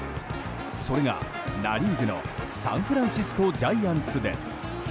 それがナ・リーグのサンフランシスコジャイアンツです。